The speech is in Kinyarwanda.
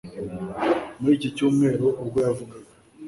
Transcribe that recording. muri iki cyumweru ubwo yavugaga